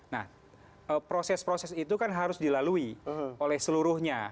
nah proses proses itu kan harus dilalui oleh seluruhnya